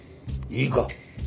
いいか。